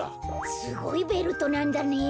すごいベルトなんだねえ。